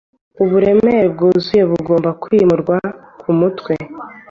Uburemere bwuzuye bugomba kwimurwa kumutwe